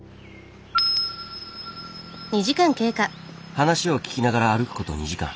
話を聞きながら歩くこと２時間。